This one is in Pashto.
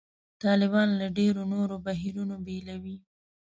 طالبان له ډېرو نورو بهیرونو بېلوي.